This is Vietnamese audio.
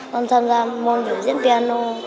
con tham gia môn biểu diễn piano